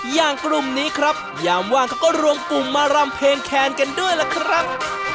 อย่างกลุ่มนี้ครับยามว่างเขาก็รวมกลุ่มมารำเพลงแคนกันด้วยล่ะครับ